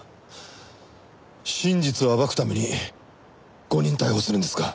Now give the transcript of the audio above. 真実を暴くために誤認逮捕するんですか？